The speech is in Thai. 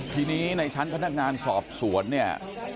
ทีนี้ในชั้นพนักงานสอบสวนเนี่ย